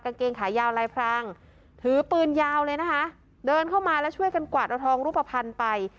เกงขายาวลายพรางถือปืนยาวเลยนะคะเดินเข้ามาแล้วช่วยกันกวาดเอาทองรูปภัณฑ์ไป